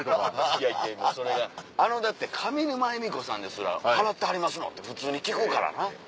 いやいやもうそれがだって上沼恵美子さんですら「払ってはりますのん？」って普通に聞くからな。